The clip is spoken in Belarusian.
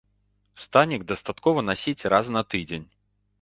Станік дастаткова насіць раз на тыдзень.